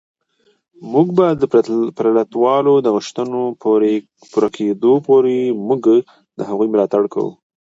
موږ به د پرلتوالو د غوښتنو پوره کېدو پورې موږ د هغوی ملاتړ کوو